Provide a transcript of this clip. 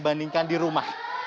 jika dibandingkan di rumah